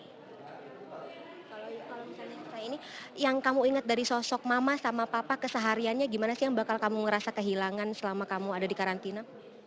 kalau misalnya ini yang kamu ingat dari sosok mama sama papa kesehariannya gimana sih yang bakal kamu ngerasa kehilangan selama kamu ada di karantina